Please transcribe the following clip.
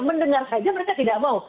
mendengar saja mereka tidak mau